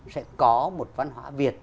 sẽ có một văn hóa việt